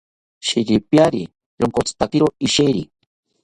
Shiripiari ronkotzitakiro isheri